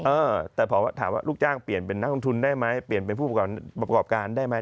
เออแต่พอถามว่าลูกจ้างเปลี่ยนเป็นนักลงทุนได้ไหมเปลี่ยนเป็นผู้ประกอบการได้ไหม